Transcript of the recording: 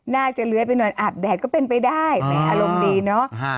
เลื้อยไปนอนอาบแดดก็เป็นไปได้แม่อารมณ์ดีเนอะ